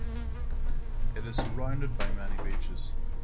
It is surrounded by many beaches.